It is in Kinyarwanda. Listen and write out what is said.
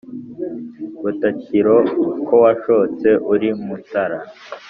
butakiro ko washotse uri mutara,